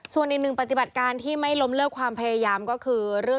ส่วนอีกหนึ่งปฏิบัติการที่ไม่ล้มเลิกความพยายามก็คือเรื่อง